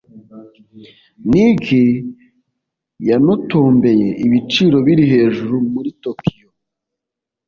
nick yantotombeye ibiciro biri hejuru muri tokiyo